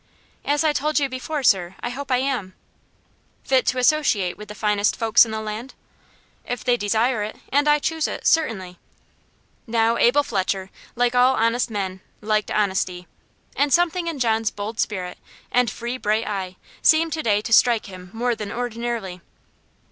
"As I told you before, sir I hope I am." "Fit to associate with the finest folk in the land?" "If they desire it, and I choose it, certainly." Now, Abel Fletcher, like all honest men, liked honesty; and something in John's bold spirit, and free bright eye, seemed to day to strike him more than ordinarily.